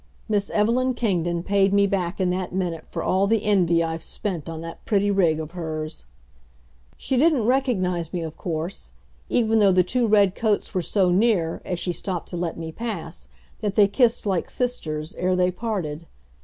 Miss Evelyn Kingdon paid me back in that minute for all the envy I've spent on that pretty rig of hers. She didn't recognize me, of course, even though the two red coats were so near, as she stopped to let me pass, that they kissed like sisters, ere they parted.